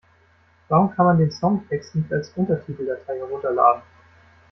Warum kann man den Songtext nicht als Untertiteldatei herunterladen?